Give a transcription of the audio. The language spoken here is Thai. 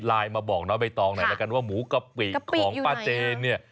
มาบอกน้องใบตองหน่อยแล้วกันว่าหมูกะปิของป้าเจนเนี่ย